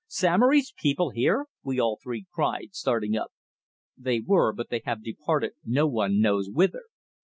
"Samory's people here!" we all three cried, starting up. "They were, but they have departed no one knows whither.